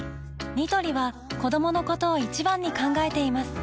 ニトリは子どものことを一番に考えています